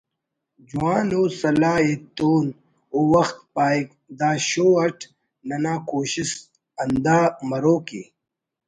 جوان ءُ سلاہ ایتون (او وخت پاہک) دا ”شو“ اٹ ننا کوشست ہندا مرو کہ